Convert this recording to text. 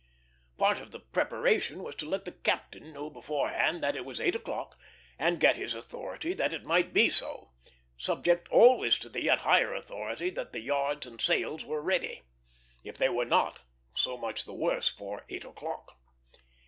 Part of the preparation was to let the captain know beforehand that it was eight o'clock, and get his authority that it might be so; subject always to the yet higher authority that the yards and sails were ready. If they were not, so much the worse for eight o'clock.